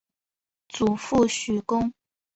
祖父许恭。